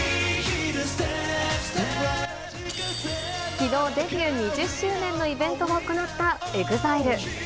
きのうデビュー２０周年のイベントを行ったＥＸＩＬＥ。